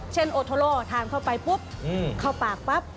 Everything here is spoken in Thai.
โอโทโลทานเข้าไปปุ๊บเข้าปากปั๊บ